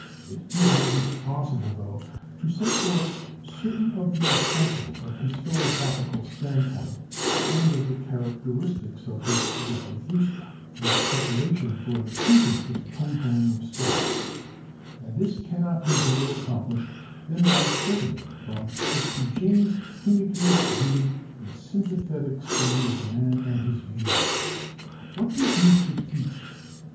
It is at least possible, though, to set forth certain of the essentials of his philosophical stand point and of the characteristics of his Zarathustra, as a preparation for an acquaintance with the tone poem of Strauss; and this cannot be better accomplished than by quoting from Mr. James Huneker's vivid and sympathetic study of the man and his views: "What does Nietzsche teach?